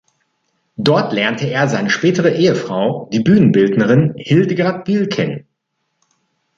Dort lernte er seine spätere Ehefrau, die Bühnenbildnerin Hildegard Wiehl kennen.